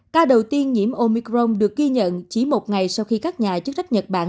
ca đầu tiên nhiễm omicron được ghi nhận chỉ một ngày sau khi các nhà chức trách nhật bản